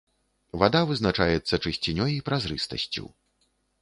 Вада вызначаецца чысцінёй і празрыстасцю.